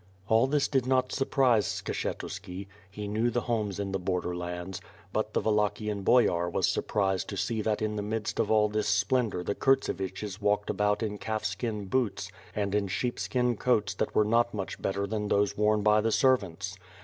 All this did not surprise Skshetuski. He knew the homes in the border lands; but the Wallachian Boyar was surprised to see that in the midst of all this splendor the Kurtsevichis walked about in calf skin boots and in sheep skin coats that were not much better than those worn by the servants.